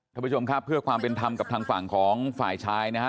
ท่านผู้ชมครับเพื่อความเป็นธรรมกับทางฝั่งของฝ่ายชายนะฮะ